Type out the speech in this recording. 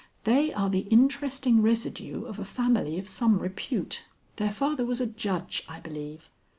They are the interesting residue of a family of some repute. Their father was a judge, I believe."